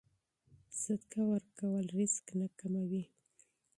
صدقه ورکول رزق نه کموي.